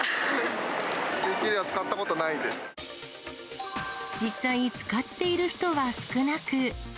定期入れは使ったことないで実際使っている人は少なく。